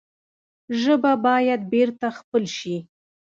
ژبه باید بېرته خپل شي.